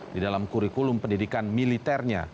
di dalam kurikulum pendidikan militernya